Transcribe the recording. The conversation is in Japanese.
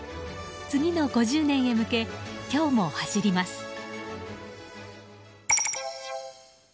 次の５０年へ向け今日も走ります。